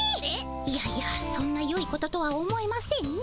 いやいやそんなよいこととは思えませんね。